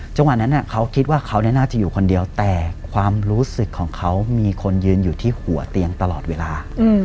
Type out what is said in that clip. จังหวะนั้นเขาคิดว่าเขาน่าจะอยู่คนเดียวแต่ความรู้สึกของเขามีคนยืนอยู่ที่หัวเตียงตลอดเวลา